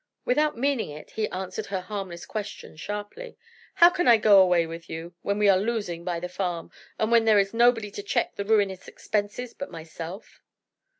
Without meaning it he answered her harmless question sharply. "How can I go away with you, when we are losing by the farm, and when there is nobody to check the ruinous expenses but myself?"